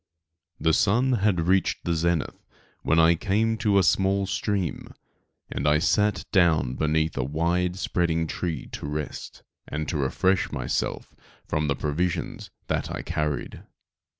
The sun had reached the zenith when I came to a small stream and sat down beneath a wide spreading tree to rest, and to refresh myself from the provisions that I carried.